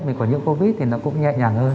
mình có những covid thì nó cũng nhẹ nhàng hơn